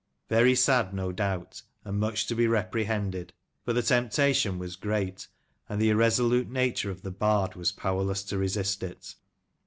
Very sad, no doubt, and much to be reprehended, but the temp tation was great, and the irresolute nature of the bard was powerless to resist it.